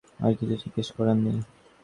আর কিছু জিজ্ঞেস করার নেই।